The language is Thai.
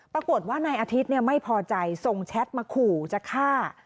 ปรากฏว่านายอาทิตย์ไม่พอใจส่งแชทมาขู่จะฆ่า